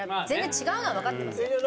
全然違うのはわかってますよ。